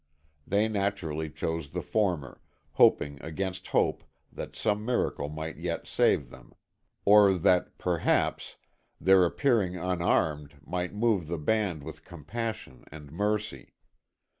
They naturally chose the former, hoping against hope that some miracle might yet save them, or that, perhaps, their appearing unarmed, might move the band with compassion and mercy.